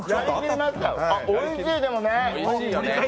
おいしい、でもね。